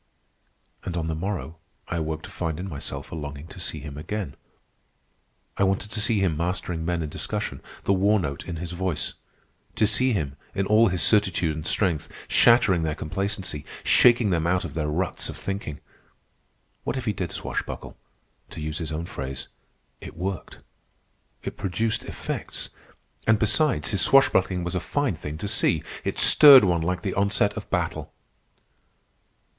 And on the morrow I awoke to find in myself a longing to see him again. I wanted to see him mastering men in discussion, the war note in his voice; to see him, in all his certitude and strength, shattering their complacency, shaking them out of their ruts of thinking. What if he did swashbuckle? To use his own phrase, "it worked," it produced effects. And, besides, his swashbuckling was a fine thing to see. It stirred one like the onset of battle.